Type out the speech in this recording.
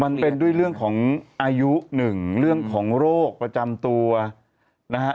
มันเป็นด้วยเรื่องของอายุหนึ่งเรื่องของโรคประจำตัวนะฮะ